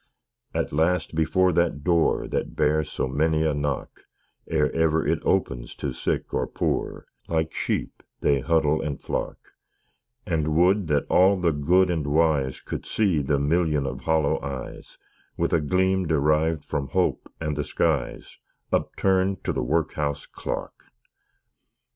At last, before that door That bears so many a knock Ere ever it opens to Sick or Poor, Like sheep they huddle and flock And would that all the Good and Wise Could see the Million of hollow eyes, With a gleam deriv'd from Hope and the skies, Upturn'd to the Workhouse Clock!